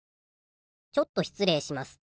ちょっと失礼します。